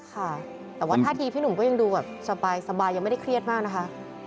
ค่ะแต่ว่าท่าทีพี่หนุ่มก็ยังดูแบบสบายยังไม่ได้เครียดมากนะคะ